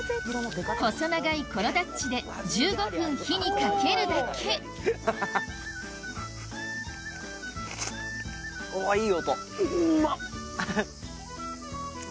細長いコロダッチで１５分火にかけるだけおぉいい音。